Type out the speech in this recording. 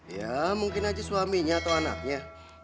ya mungkin aja suaminya atau anaknya